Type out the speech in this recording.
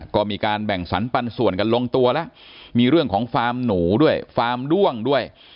ก็มีการแบ่งสรรปันส่วนกันลงตัวแล้วมีเรื่องของฟาร์มหนูด้วยฟาร์มด้วงด้วย